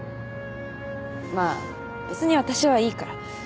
まあべつに私はいいから。